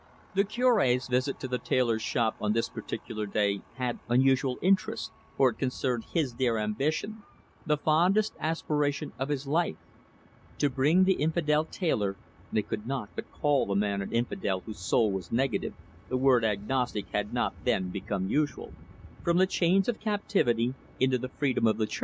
The Cure's visit to the tailor's shop on this particular day had unusual interest, for it concerned his dear ambition, the fondest aspiration of his life: to bring the infidel tailor (they could not but call a man an infidel whose soul was negative the word agnostic had not then become usual) from the chains of captivity into the freedom of the Church.